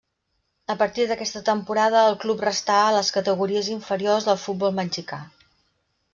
A partir d'aquesta temporada el club restà a les categories inferiors del futbol mexicà.